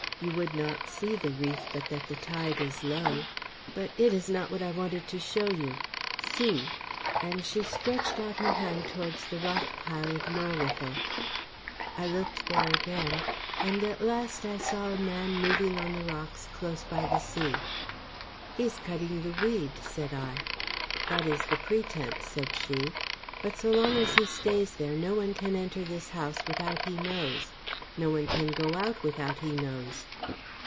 You would not see the reef, but that the tide is low. But it is not that I wanted to show you. See!" and she stretched out her hand towards the rock pile of Norwithel. I looked there again and at last I saw a man moving on the rocks close by the sea. "He is cutting the weed," said I. "That is the pretence," said she. "But so long as he stays there no one can enter this house without he knows, no one can go out without he knows."